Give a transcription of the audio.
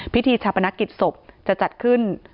พิธีชาปนกิจศพจะจัดขึ้น